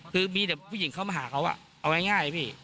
คือมีแต่ผู้หญิงเข้ามาหาเขาเอาง่ายพี่